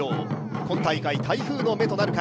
今大会、台風の目となるか。